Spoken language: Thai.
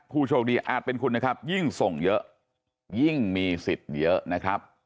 ผู้โชคดีอาจเป็นคุณนะครับยิ่งส่งเยอะยิ่งมีสิทธิ์เยอะนะครับ